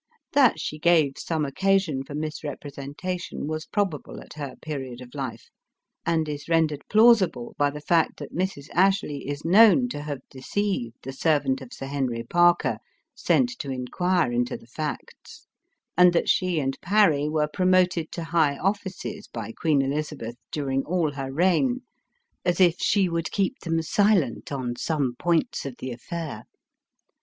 That she gave some occasion for misrepresentation was probable at her pe riod of life, and is rendered plausible by the fact that Mrs. Ashley is known to have deceived the servant of Sir Henry Parker, sent to inquire into the facts, and that she and Parry were promoted to high offices by* Queen Elizabeth, during all her reign, as if she would keep them silent on some points of the affair.